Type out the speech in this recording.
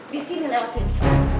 di sini lewat sini